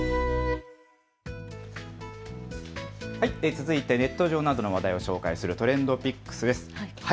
つづいてネット上などの話題を紹介するＴｒｅｎｄＰｉｃｋｓです。